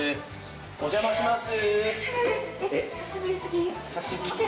お邪魔します。